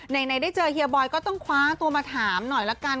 ไหนได้เจอเฮียบอยก็ต้องคว้าตัวมาถามหน่อยละกัน